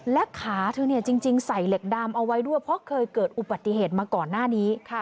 และขาเธอจริงใส่เหล็กดำเอาไว้ด้วยเพราะเคยเกิดอุบัติเหตุมาก่อนหน้านี้